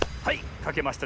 かけました！